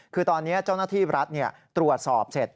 คือตอนนี้เจ้าหน้าที่รัฐตรวจสอบเสร็จ